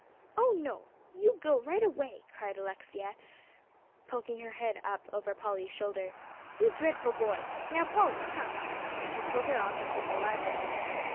"Oho! You go right away!" cried Alexia, poking up her head over Polly's shoulder. "You dreadful boy! Now, Polly, come." And she pulled her off into the library.